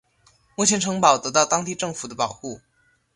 目前城堡得到当地政府的保护。